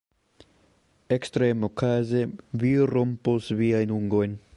Ekstremokaze vi rompos viajn ungojn!